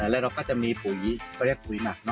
แล้วเราก็จะมีปุ๋ยเขาเรียกปุ๋ยหมัก